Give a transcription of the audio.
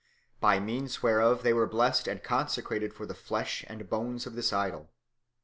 By means whereof they were blessed and consecrated for the flesh and bones of this idol.